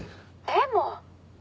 でも。